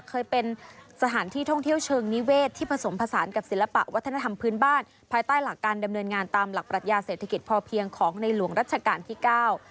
เคยเป็นสถานที่ท่องเที่ยวเชิงนิเวศที่ผสมผสานกับศิลปะวัฒนธรรมพื้นบ้านภายใต้หลักการดำเนินงานตามหลักปรัชญาเศรษฐกิจพอเพียงของในหลวงรัชกาลที่เก้า